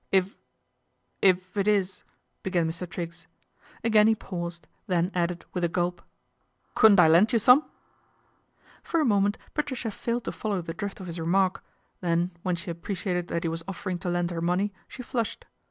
" If if it is," began Mr. Triggs. Again he paused, then added with a gulp, " Couldn't I lenT you some ?" For a moment Patricia failed to follow the drift of his remark, then when she appreciated that he was offering to lend her money she flushed.